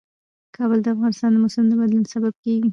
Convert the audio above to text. کابل د افغانستان د موسم د بدلون سبب کېږي.